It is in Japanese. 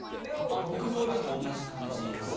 僕もでも同じ感じですね。